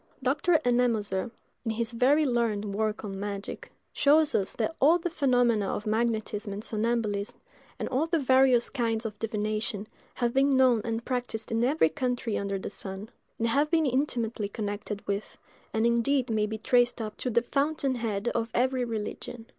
Dr. Ennemoser, in his very learned work on magic, shows us that all the phenomena of magnetism and somnambulism, and all the various kinds of divination, have been known and practised in every country under the sun; and have been intimately connected with, and indeed may be traced up to the fountain head of every religion.